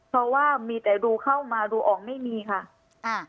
เพราะว่ามีแต่ดูเข้ามาดูออกไม่มีค่ะอ่า